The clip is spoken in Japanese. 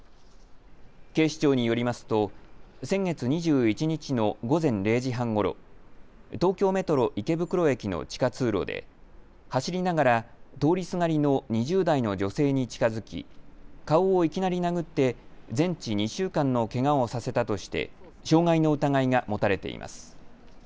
警視庁によりますと先月２１日の午前０時半ごろ、東京メトロ池袋駅の地下通路で走りながら通りすがりの２０代の女性に近づき、顔をいきなり殴って全治２週間のけがをさせたとして傷害の疑いが持たれています。